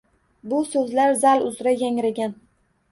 Bu so‘zlar zal uzra yangragan